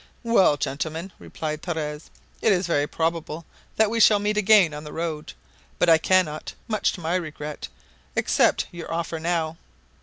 "Well, gentlemen," replied Torres, "it is very probable that we shall meet again on the road. But I cannot, much to my regret, accept your offer now.